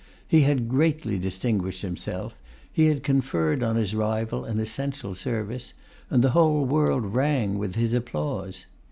He had greatly distinguished himself; he had conferred on his rival an essential service; and the whole world rang with his applause.